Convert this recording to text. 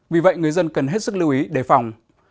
vì vậy người dân cần hết sức lưu ý đề phòng